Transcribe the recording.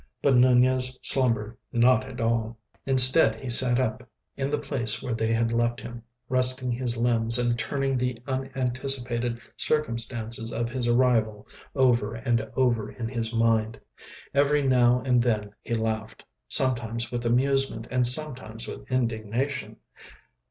But Nunez slumbered not at all. Instead, he sat up in the place where they had left him, resting his limbs and turning the unanticipated circumstances of his arrival over and over in his mind. Every now and then he laughed, sometimes with amusement and sometimes with indignation.